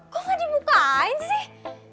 kok ga dibukain sih